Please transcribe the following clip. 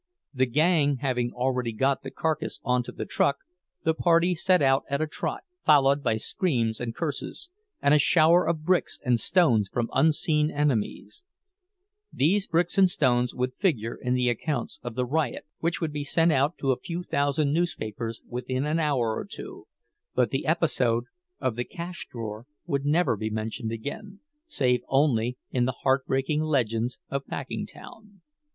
The gang having already got the carcass on to the truck, the party set out at a trot, followed by screams and curses, and a shower of bricks and stones from unseen enemies. These bricks and stones would figure in the accounts of the "riot" which would be sent out to a few thousand newspapers within an hour or two; but the episode of the cash drawer would never be mentioned again, save only in the heartbreaking legends of Packingtown.